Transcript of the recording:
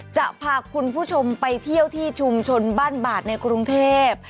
จะพาคุณผู้ชมไปเที่ยวที่ชุมชนบ้านบาดในกรุงเทพ